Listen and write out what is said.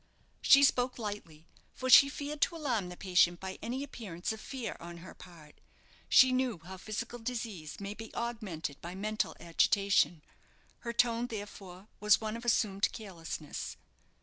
She spoke lightly, for she feared to alarm the patient by any appearance of fear on her part. She knew how physical disease may be augmented by mental agitation. Her tone, therefore, was one of assumed carelessness.